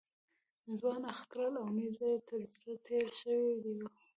ځوان اخ کړل او نیزه یې تر زړه تېره شوې وه.